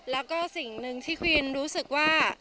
แล้วก็สิ่งหนึ่งที่ควีนรู้สึกว่า